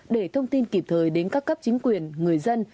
để thông tin kịp thời đến các cấp chính quyền người dân